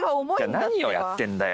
何やってんだよ